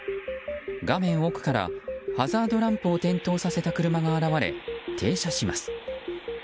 画面奥からハザードランプを点灯させた車が現れ停車します。